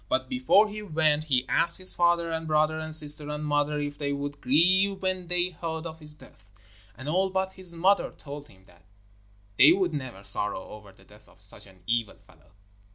But before he went, he asked his father and brother and sister and mother if they would grieve when they heard of his death. And all but his mother told him that they would never sorrow over the death of such an evil fellow.